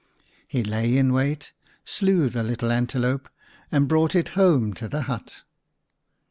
He lay in wait, slew the little antelope, and brought it home to the hut.